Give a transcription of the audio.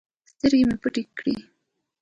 سترگې مې پټې کړې.